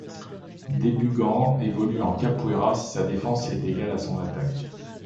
Debugant évolue en Kapoera si sa défense est égale à son attaque.